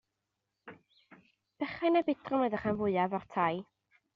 Bychain a budron oedd y rhan fwyaf o'r tai.